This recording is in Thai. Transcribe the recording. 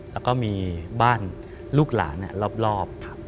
แล้วก็มีบ้านลูกหลานรอบ